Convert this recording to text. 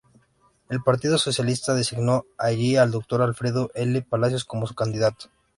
El Partido Socialista designó allí al doctor Alfredo L. Palacios como su candidato.